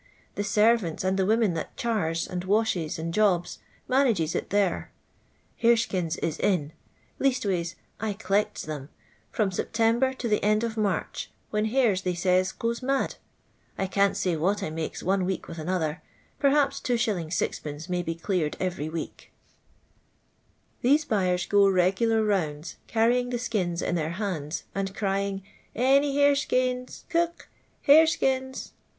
The servants, and the women that chars, and washes, and jobs, mannges it there. ]Iarei>kiii8 is in leastways I c'Iccts them — from September to the end of March, when hares, they says, goes mad. I can't say what I makes <»ne week wiih another — perhaps 2*. (kl. may be cU ared every week." Theso buyer* j:" ri'gtilar rounds, carrying the skins in their h.inds, and crying, Any hare skins, cook i Il.ireskins."